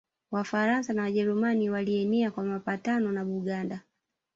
Wafaransa na Wajerumani Walienea kwa mapatano na Buganda